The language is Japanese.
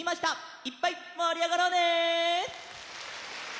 いっぱいもりあがろうね！